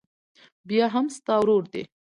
بيا هم ستا ورور دى.